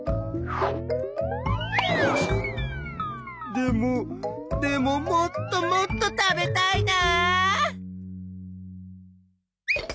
でもでももっともっと食べたいな。